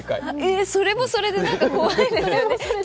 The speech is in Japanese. それもそれで怖いですよね。